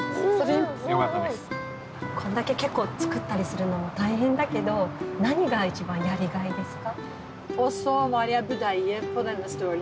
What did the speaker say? こんだけ結構作ったりするのも大変だけど何が一番やりがいですか？